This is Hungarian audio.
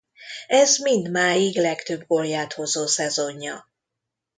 Ez mindmáig legtöbb gólját hozó szezonja.